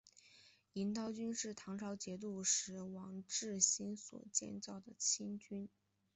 银刀军是唐朝节度使王智兴所建立的亲军。